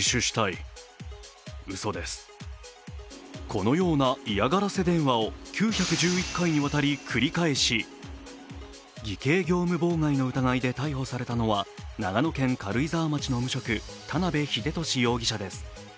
このような嫌がらせ電話を９１１回にわたり繰り返し偽計業務妨害の疑いで逮捕されたのは長野県軽井沢町の無職田邉秀敏容疑者です。